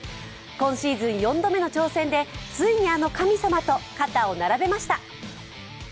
今シーズン４度目の挑戦で、ついにあの神様と肩を並べました。